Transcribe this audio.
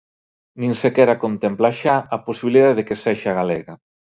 Nin sequera contempla xa a posibilidade de que sexa galega.